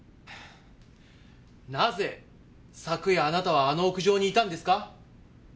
なぜ昨夜あなたはあの屋上にいたんですか？